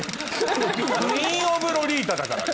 クイーンオブロリータだからね。